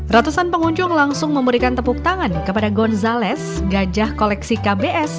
ratusan pengunjung langsung memberikan tepuk tangan kepada gonzalez gajah koleksi kbs